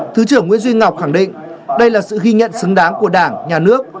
thứ trưởng nguyễn duy ngọc khẳng định đây là sự ghi nhận xứng đáng của đảng nhà nước